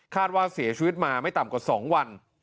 ว่าเสียชีวิตมาไม่ต่ำกว่า๒วัน